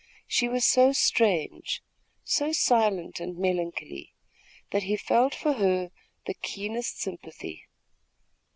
She was so strange, so silent and melancholy, that he felt for her the keenest sympathy.